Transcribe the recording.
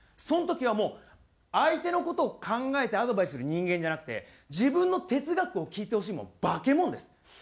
その時はもう相手の事を考えてアドバイスする人間じゃなくて自分の哲学を聞いてほしい化け物です。